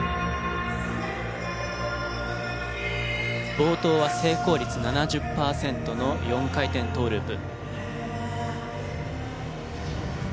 冒頭は成功率７０パーセントの４回転トーループ。